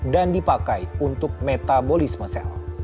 dan dipakai untuk metabolisme sel